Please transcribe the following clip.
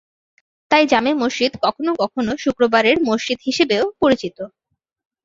তাই জামে মসজিদ কখনও কখনও শুক্রবারের মসজিদ হিসেবেও পরিচিত।